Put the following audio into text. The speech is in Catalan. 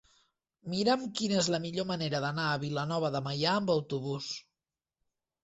Mira'm quina és la millor manera d'anar a Vilanova de Meià amb autobús.